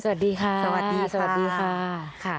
สวัสดีค่ะ